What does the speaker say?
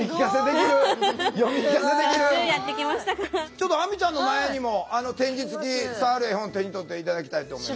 ちょっと亜美ちゃんの前にも点字つき触る絵本手に取って頂きたいと思います。